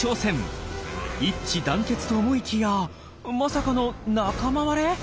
一致団結と思いきやまさかの仲間割れ！？